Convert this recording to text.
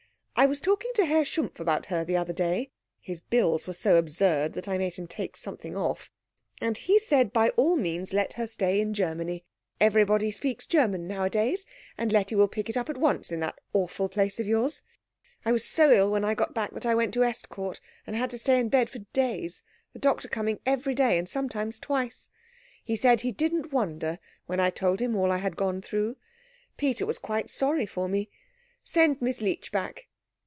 I was talking to Herr Schumpf about her the other day his bills were so absurd that I made him take something off and he said by all means let her stay in Germany. Everybody speaks German nowadays, and Letty will pick it up at once in that awful place of yours. I was so ill when I got back that I went to Estcourt, and had to stay in bed for days, the doctor coming every day, and sometimes twice. He said he didn't wonder, when I told him all I had gone through. Peter was quite sorry for me. Send Miss Leech back.